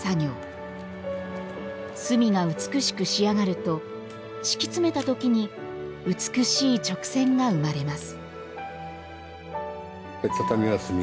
すみが美しく仕上がると敷き詰めた時に美しい直線が生まれます